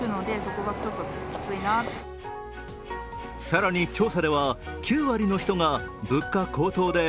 更に調査では９割の人が物価高騰で